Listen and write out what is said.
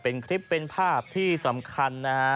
เป็นคลิปเป็นภาพที่สำคัญนะฮะ